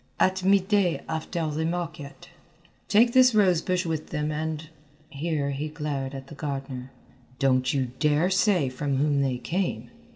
"At mid day after the market." "Take this rose bush with them, and" here he glared at the gardener "don't you dare say from whom they came."